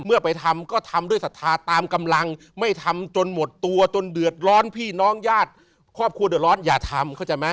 ไปทำก็ทำด้วยศรัทธาตามกำลังไม่ทำจนหมดตัวจนเดือดร้อนพี่น้องญาติครอบครัวเดือดร้อนอย่าทำเข้าใจไหม